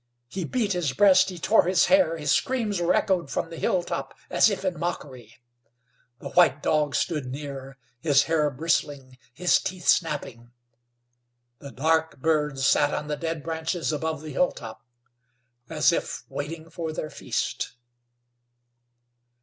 He beat his breast, he tore his hair. His screams were echoed from the hilltop as if in mockery. The white dog stood near, his hair bristling, his teeth snapping. The dark birds sat on the dead branches above the hilltop, as if waiting for their feast.